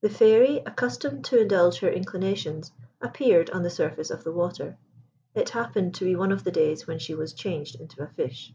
The Fairy, accustomed to indulge her inclinations, appeared on the surface of the water. It happened to be one of the days when she was changed into a fish.